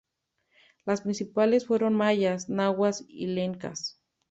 Las principales fueron mayas, nahuas y lencas.